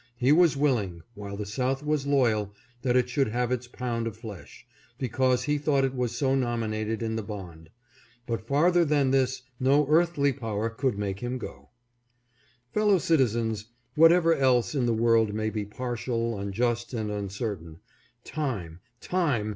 He was willing, while the South was loyal, that it should have its pound of flesh, because he thought it was so nominated in the bond ; but farther than this no earthly power could make him go. Fellow citizens, whatever else in the world may be partial, unjust and uncertain, time, time